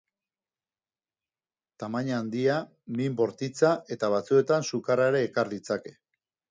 Tamaina handia, min bortitza eta batzuetan sukarra ere ekar ditzake.